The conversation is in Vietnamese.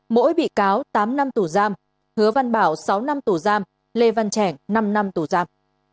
mỗi bị cáo tám năm tù giam hứa văn bảo sáu năm tù giam lê văn trẻ năm năm tù giam